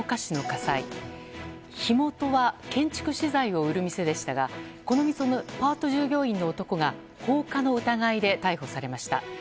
火元は建築資材を売る店でしたがこの店のパート従業員の男が放火の疑いで逮捕されました。